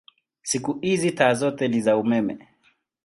Siku hizi taa zote ni za umeme.